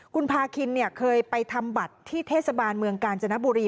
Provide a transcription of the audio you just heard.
คุณพาคินเคยไปทำบัตรที่เทศบาลเมืองกาญจนบุรี